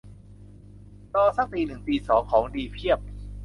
รอซักตีหนึ่งตีสอง ของดีเพียบ